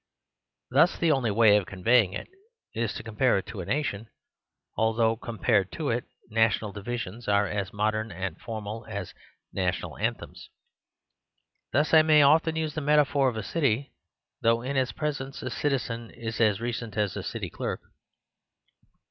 Thus the only way of conveying it is to com pare it to a nation ; although, compared to it. The Story of the Family 69 national divisions are as modern and formal as national anthems. Thus I may often use the metaphor of a city; though in its pres ence a citizen is as recent as a city clerk.